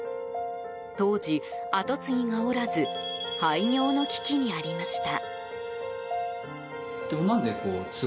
当時、後継ぎがおらず廃業の危機にありました。